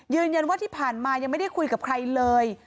ยืนยันว่าที่ผ่านมายังไม่ได้คุยกับใครเลย